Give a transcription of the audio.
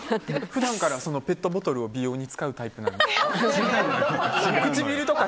普段からペットボトルを美容に使うタイプなんですか？